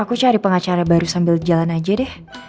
aku cari pengacara baru sambil jalan aja deh